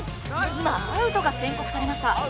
今アウトが宣告されました